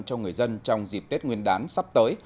cho người dân trong dịp tết nguyên đán sắp tới